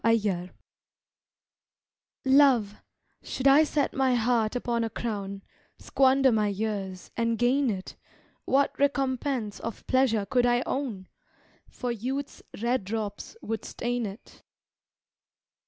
"Oh, Ask Me Not" Love, should I set my heart upon a crown, Squander my years, and gain it, What recompense of pleasure could I own? For youth's red drops would stain it.